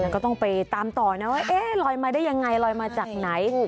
ก็ต้องไปตามต่อนะว่าเอ๊ะลอยมาได้ยังไงลอยมาจากไหน